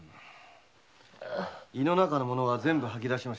胃の中の物は全部吐き出しました。